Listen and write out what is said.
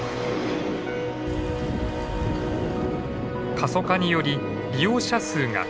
過疎化により利用者数が減少。